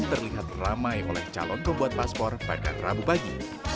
terlihat ramai oleh calon pembuat paspor pada rabu pagi